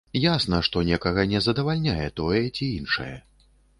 Ясна, што некага не задавальняе тое ці іншае.